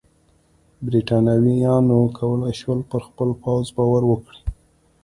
برېټانویانو کولای شول پر خپل پوځ باور وکړي.